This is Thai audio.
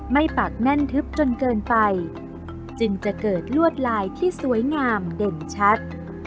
ปากแน่นทึบจนเกินไปจึงจะเกิดลวดลายที่สวยงามเด่นชัด